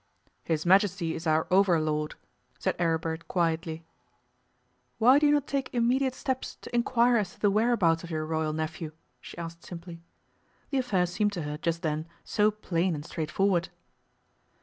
'His Majesty is our over lord,' said Aribert quietly. 'Why do you not take immediate steps to inquire as to the whereabouts of your Royal nephew?' she asked simply. The affair seemed to her just then so plain and straightforward.